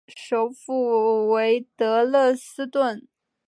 首府为德累斯顿。